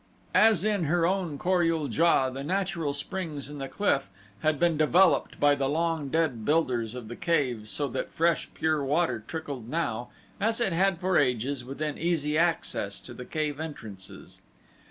As in her own Kor ul JA, the natural springs in the cliff had been developed by the long dead builders of the caves so that fresh, pure water trickled now, as it had for ages, within easy access to the cave entrances.